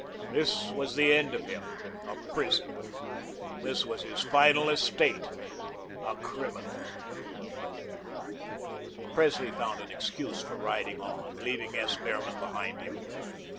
This was the end of him, a prison; this was his final estate, a criminal. Presley found an excuse for riding on, leaving S. Behrman behind him.